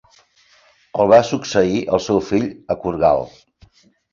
El va succeir el seu fill Akurgal.